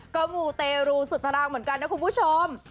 ก็มูเตรูสุดพลังเหมือนกันนะคุณผู้ชม